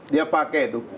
dia pakai tuh